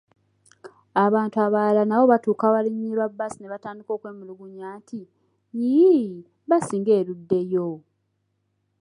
Abantu abalala nabo baatuuka awalinyirwa bbaasi ne batandika okwemulugunya nti, yiiii, bbaasi nga eruddeyo?